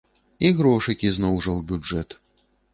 І грошыкі, зноў жа, у бюджэт.